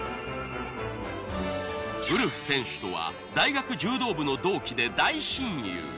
ウルフ選手とは大学柔道部の同期で大親友。